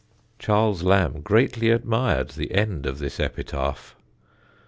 Charles Lamb greatly admired the end of this epitaph.